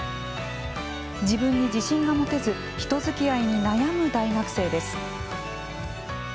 自分に自信が持てず人づきあいに悩む大学生です。